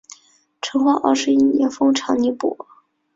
成化二十一年封长宁伯。